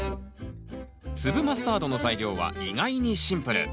粒マスタードの材料は意外にシンプル。